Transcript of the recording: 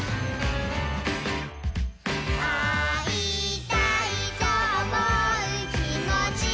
「あいたいとおもうきもちがあれば」